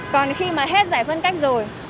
còn khi mà hết giải phân cách rồi